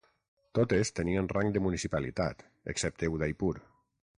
Totes tenien rang de municipalitat excepte Udaipur.